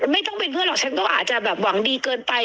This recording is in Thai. ไม่ต้องเป็นเพื่อนหรอกฉันก็อาจจะแบบหวังดีเกินไป